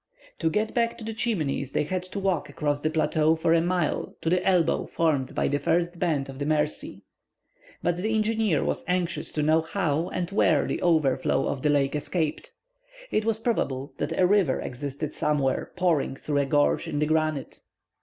To get back to the Chimneys they had to walk across the plateau for a mile to the elbow formed by the first bend of the Mercy. But the engineer was anxious to know how and where the overflow of the lake escaped. It was probable that a river existed somewhere pouring through a gorge in the granite.